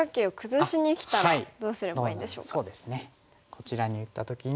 こちらに打った時に。